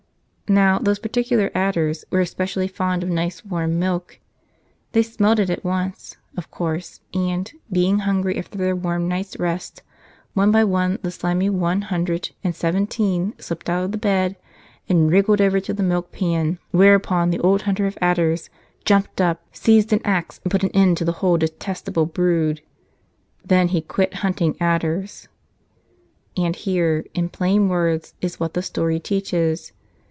Now, those particular adders were especially fond of nice warm milk. They smelled it at once, of course, and, being hungry after their warm night's rest, one by one the slimy one hundred and seventeen slipped out of the bed and wriggled over to the milk pan. Whereupon the old hunter of adders jumped up, seized an axe, and put an end to the whole detestable brood. Then he quit hunting adders. And here, in plain words, is what the story teaches.